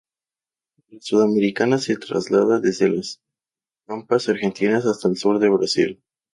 La sudamericana se traslada desde las pampas argentinas hasta el sur de Brasil.